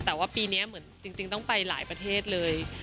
แต่ว่าปีนี้เหมือนจริงต้องไปหลายประเทศเลย